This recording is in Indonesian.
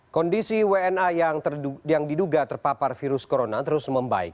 kondisi wna yang diduga terpapar virus corona terus membaik